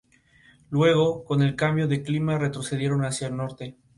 Luego, con el cambio de clima retrocedieron hacia el norte.